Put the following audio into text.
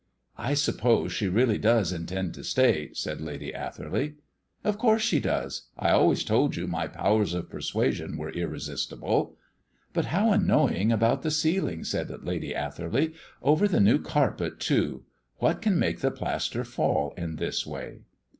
"I suppose she really does intend to stay," said Lady Atherley. "Of course she does. I always told you my powers of persuasion were irresistible." "But how annoying about the ceiling," said Lady Atherley. "Over the new carpet, too! What can make the plaster fall in this way?"